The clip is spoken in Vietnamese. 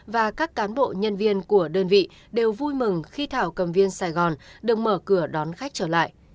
và các cán bộ nhân viên của đơn vị đều vui mừng khi thảo cầm viên sài gòn được mở cửa đón khách trở lại